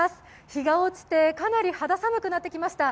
日が落ちてかなり肌寒くなってきました。